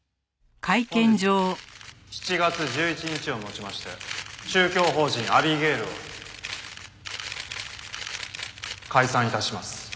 「本日７月１１日をもちまして宗教法人アビゲイルを解散致します」